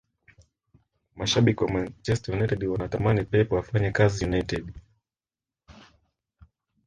mashabiki wa manchester united wanatamani pep afanye kazi united